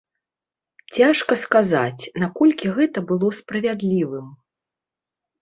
Цяжка сказаць, наколькі гэта было справядлівым.